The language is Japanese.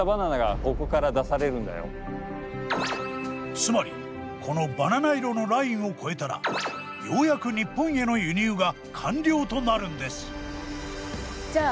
つまりこのバナナ色のラインを越えたらようやく日本への輸入が完了となるんです。